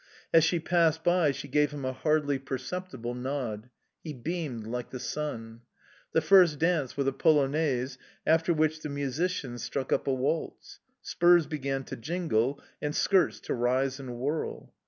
As she passed by, she gave him a hardly perceptible nod. He beamed like the sun... The first dance was a polonaise, after which the musicians struck up a waltz. Spurs began to jingle, and skirts to rise and whirl.